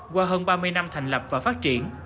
qua hơn ba mươi năm thành lập và phát triển